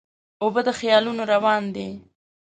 اوبه د خیالونو روان دي.